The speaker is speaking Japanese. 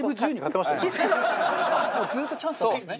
ずっとチャンスだったんですね。